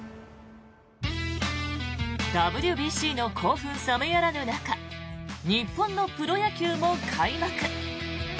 ＷＢＣの興奮冷めやらぬ中日本のプロ野球も開幕。